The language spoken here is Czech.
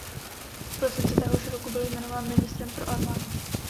V prosinci téhož roku byl jmenován ministrem pro armádu.